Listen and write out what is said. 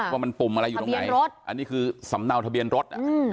ว่ามันปุ่มอะไรอยู่ตรงไหนอันนี้คือสำเนาทะเบียนรถ